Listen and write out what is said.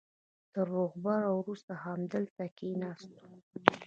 تر روغبړ وروسته همدلته کېناستو.